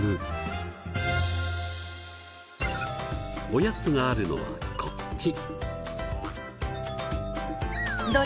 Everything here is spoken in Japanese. オヤツがあるのはこっち。